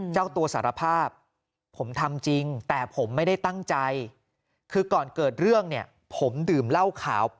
เจ้าตัวสารภาพ